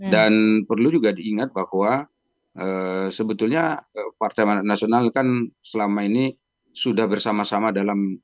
dan perlu juga diingat bahwa sebetulnya partai manasional kan selama ini sudah bersama sama dalam